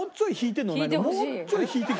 もうちょい引いて。